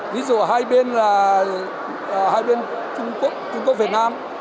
ví dụ hai bên trung quốc trung quốc việt nam